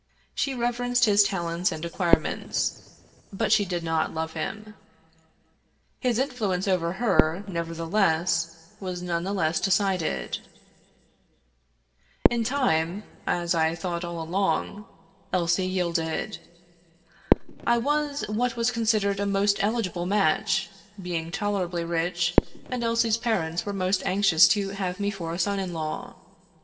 She reverenced his talents and acquirements, but she did not love him. His influence over her, nevertheless, was none the less decided. In time — ^as I thought all along — Elsie yielded. I was what was considered a most eligible match, being tolerably rich, and Elsie's parents were most anxious to have me for a son in law.